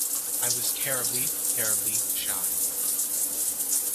I was terribly, terribly shy.